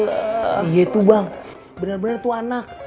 iya tuh bang benar benar tuh anak